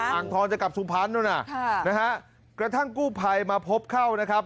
อ่างทองจะกลับสุพรรณนู่นน่ะค่ะนะฮะกระทั่งกู้ภัยมาพบเข้านะครับ